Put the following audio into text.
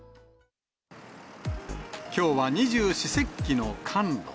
きょうは二十四節気の寒露。